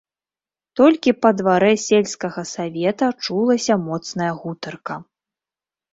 Толькi па дварэ сельскага савета чулася моцная гутарка...